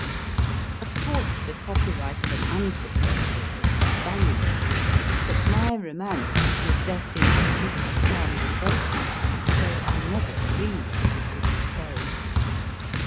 Of course, the copy right of an unsuccessful book is valueless ; but my Romance was destined to prove a sound investment, though I never dreamed that it would be so.